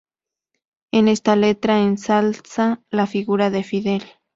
En esta letra ensalza la figura de Fidel.